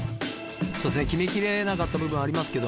そうですね決めきれなかった部分ありますけど